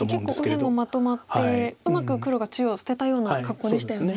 結構右辺もまとまってうまく黒が中央を捨てたような格好でしたよね。